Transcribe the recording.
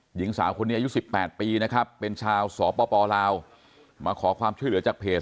หญิงสาวคนนี้อายุ๑๘ปีนะครับเป็นชาวสปลาวมาขอความช่วยเหลือจากเพจ